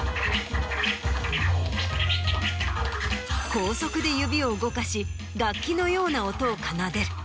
高速で指を動かし楽器のような音を奏でる。